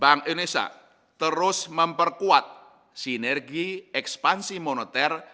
bank indonesia terus memperkuat sinergi ekspansi moneter